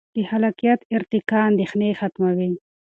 د خلاقیت ارتقا اندیښنې ختموي.